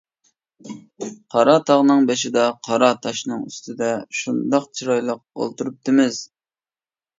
قارا تاغنىڭ بېشىدا، قارا تاشنىڭ ئۈستىدە شۇنداق چىرايلىق ئولتۇرۇپتىمىز.